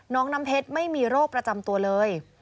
น้องน้ำเพชรไม่มีโรคประจำตัวเลย